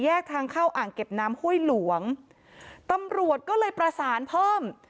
ทางเข้าอ่างเก็บน้ำห้วยหลวงตำรวจก็เลยประสานเพิ่ม